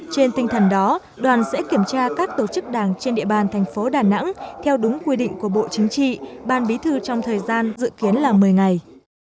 trên tinh thần đó đoàn sẽ kiểm tra các tổ chức đảng trên địa bàn thành phố đà nẵng theo đúng quy định của bộ chính trị ban bí thư trong thời gian dự kiến là một mươi ngày